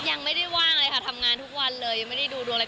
ยังไม่ได้ว่างเลยค่ะทำงานทุกวันเลยยังไม่ได้ดูดวงอะไร